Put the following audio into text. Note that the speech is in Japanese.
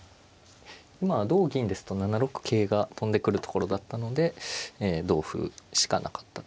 同銀ですと７六桂が跳んでくるところだったので同歩しかなかったと。